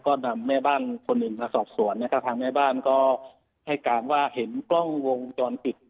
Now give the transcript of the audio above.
ก็นำแม่บ้านคนอื่นมาสอบสวนนะครับทางแม่บ้านก็ให้การว่าเห็นกล้องวงจรปิด